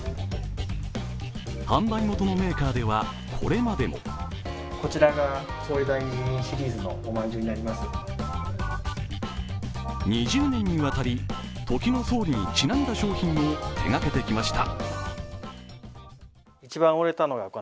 販売元のメーカーではこれまでも２０年にわたり時の総理にちなんだ商品を手がけてきました。